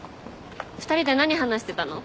２人で何話してたの？